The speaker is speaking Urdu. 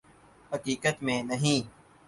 حقیقت میں نہیں